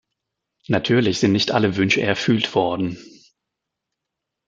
Natürlich sind nicht alle Wünsche erfüllt worden.